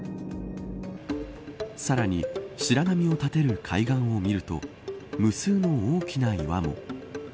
さらに白波を立てる海岸を見ると無数の大きな岩も。